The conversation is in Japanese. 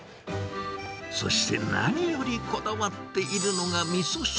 そして何よりこだわっているのがみそ汁。